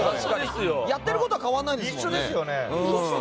やってることは変わらないですもんね。